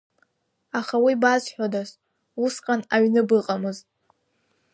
Аха уи базҳәодаз, усҟан аҩны быҟамызт!